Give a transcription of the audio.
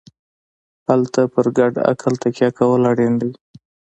هلته پر ګډ عقل تکیه کول اړین دي.